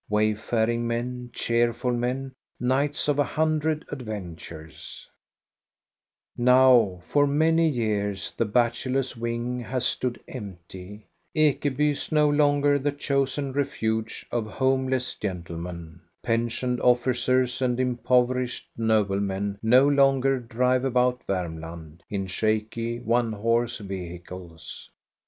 Wsjpfffing men, cheerful men, Rights of afdiundred adytaftc^ Now for many yeArs the bachelors' wing has stood empty. Ekeby is no longer the chosen refuge of homeless gentlemen. Pensioned officers and impov erished noblemen no longer drive about Varmland in shaky one horse vehicles.